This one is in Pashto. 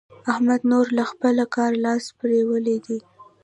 احمد نور له خپله کاره لاس پرېولی دی.